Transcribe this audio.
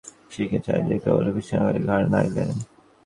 নক্ষত্ররায় একবার রঘুপতির মুখের দিকে চাহিয়া কেবল বিষণ্নভাবে ঘাড় নাড়িলেন।